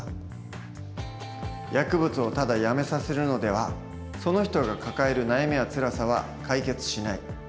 「薬物をただやめさせるのではその人が抱える悩みやつらさは解決しない。